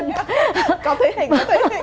có thể hình có thể hình